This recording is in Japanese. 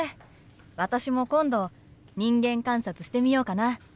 私も今度人間観察してみようかな。